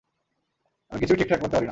আমি কিছুই ঠিকঠাক করতে পারি না।